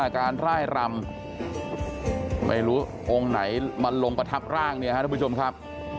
การร่ายรำไม่รู้องค์ไหนมาลงประทับร่างเนี่ยครับทุกผู้ชมครับ